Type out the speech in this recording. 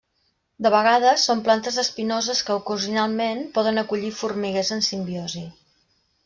De vegades, són plantes espinoses que ocasionalment poden acollir formiguers en simbiosi.